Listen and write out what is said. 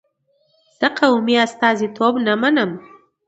زه قومي استازیتوب نه منم.